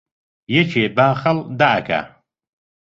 یەکێ باخەڵ دائەکا